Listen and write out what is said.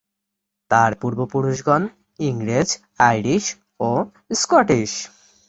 তার পূর্বপুরুষগণ ইংরেজ, আইরিশ ও স্কটিশ।